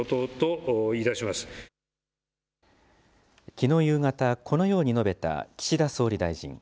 きのう夕方、このように述べた岸田総理大臣。